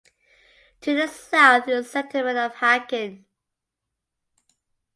To the south is the settlement of Hakin.